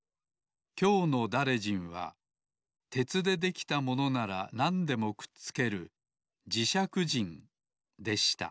きょうのだれじんはてつでできたものならなんでもくっつけるじしゃくじんでした